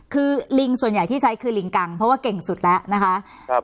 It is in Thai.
คือลิงส่วนใหญ่ที่ใช้คือลิงกังเพราะว่าเก่งสุดแล้วนะคะ